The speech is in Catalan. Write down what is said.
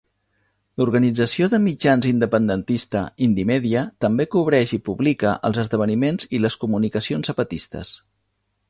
L'organització de mitjans independentista Indymedia també cobreix i publica els esdeveniments i les comunicacions zapatistes.